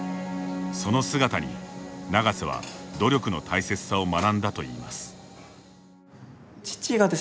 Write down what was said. その姿に、永瀬は努力の大切さを学んだといいます。